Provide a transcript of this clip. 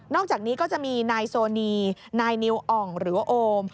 อกจากนี้ก็จะมีนายโซนีนายนิวอ่องหรือว่าโอม